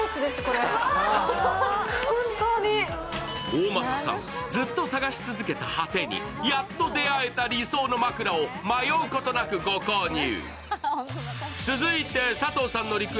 大政さん、ずっと探し続けた果てにやっと出会えた理想の枕を迷うことなくご購入。